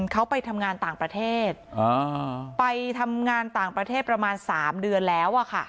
เขาไปทำงานต่างประเทศไปทำงานต่างประเทศประมาณ๓เดือนแล้ว